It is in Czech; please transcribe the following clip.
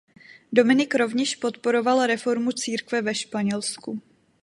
Dominik rovněž podporoval reformu církve ve Španělsku.